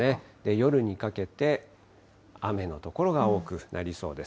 夜にかけて、雨の所が多くなりそうです。